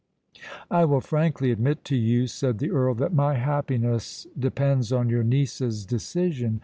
"I will frankly admit to you," said the Earl, "that my happiness depends on your niece's decision.